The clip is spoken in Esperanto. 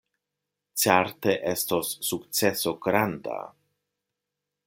Certe estos sukceso granda!